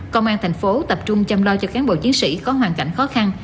công an tp hcm tập trung chăm lo cho cán bộ chiến sĩ có hoàn cảnh khó khăn